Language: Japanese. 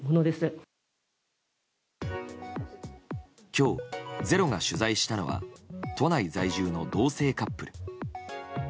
今日「ｚｅｒｏ」が取材したのは都内在住の同性カップル。